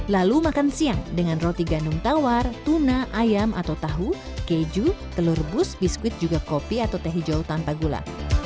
lalu makan siang dengan roti gandum tawar tuna ayam atau tahu keju telur rebus biskuit juga kopi atau teh hijau tanpa gula